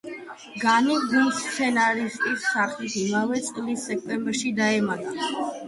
განი გუნდს სცენარისტის სახით იმავე წლის სექტემბერში დაემატა.